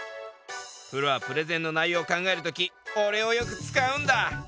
プロはプレゼンの内容を考えるときおれをよく使うんだ。